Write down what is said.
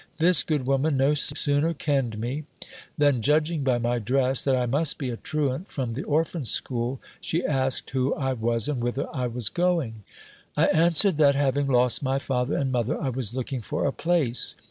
This good woman no sooner kenned me, than, judging by my dress that I must be a truant from the orphan school, she asked who I was and whither I was going. I answered that, having lost my father and mother, I was looking for a place.